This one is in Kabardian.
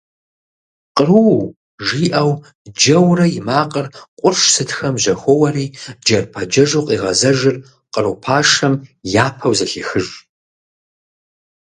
«Къру» жиӀэу джэурэ и макъыр къурш сытхэм жьэхоуэри джэрпэджэжу къигъэзэжыр къру пашэм япэу зэхехыж.